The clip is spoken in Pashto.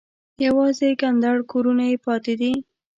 یوازې کنډر کورونه یې پاتې دي.